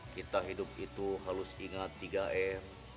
kita hidup itu harus ingat tiga m